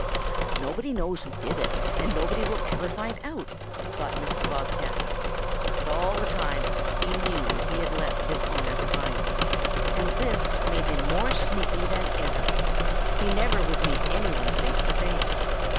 "'Nobody knows who did it, and nobody ever will find out,' thought Mr. Bob cat, but all the time he knew that he had left his honor behind, and this made him more sneaky than ever. He never would meet any one face to face.